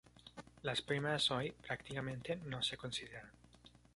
Las primeras hoy, prácticamente, no se consideran.